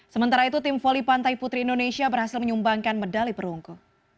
sementara itu tim voli pantai putri indonesia berhasil menyumbangkan medali perungku